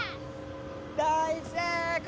大成功！